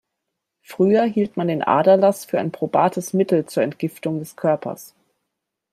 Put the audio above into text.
Früher hielt man den Aderlass für ein probates Mittel zur Entgiftung des Körpers.